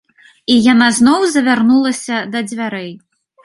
І яна зноў завярнулася да дзвярэй.